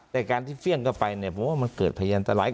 แต่การที่เฟี่ยงเข้าไปเนี่ยผมว่ามันเกิดพยานตราย